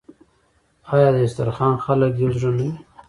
آیا د یو دسترخان خلک یو زړه نه وي؟